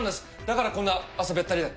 だからこんな汗べったりで。